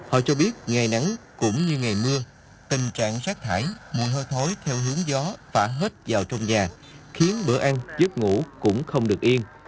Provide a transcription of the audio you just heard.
họ cho biết ngày nắng cũng như ngày mưa tình trạng rác thải mùi hôi thối theo hướng gió phả hết vào trong nhà khiến bữa ăn giếp ngủ cũng không được yên